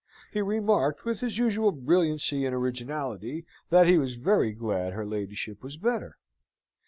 He remarked, with his usual brilliancy and originality, that he was very glad her ladyship was better.